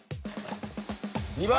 ２番。